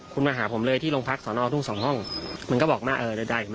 คุณมาหาผมเลยที่โรงพักสอนอทุ่งสองห้องมันก็บอกมาเออได้